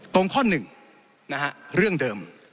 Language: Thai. ตรงข้อหนึ่งเรื่องเดิม